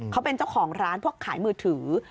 เขาเป็นเจ้าของร้านพวกขายมือถือ